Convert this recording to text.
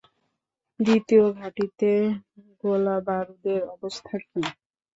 দ্বিতীয় ঘাঁটিতে গোলাবারুদের অবস্থা কী?